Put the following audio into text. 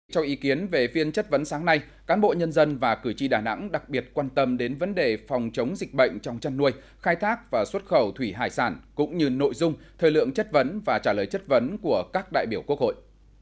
trong ý kiến về phiên chất vấn sáng nay cán bộ nhân dân và cử tri đà nẵng đặc biệt quan tâm đến vấn đề phòng chống dịch bệnh trong chăn nuôi khai thác và xuất khẩu thủy hải sản cũng như nội dung thời lượng chất vấn và trả lời chất vấn của các đại biểu quốc hội